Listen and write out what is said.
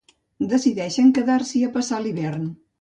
Decideixen quedar-s'hi a passar l'hivern.